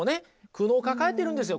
苦悩を抱えてるんですよ